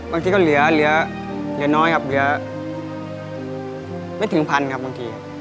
บางทีก็เหลือน้อยครับเหลือไม่ถึงพันครับบางทีครับ